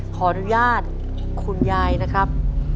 ขออนุญาตคุณยายนะครับ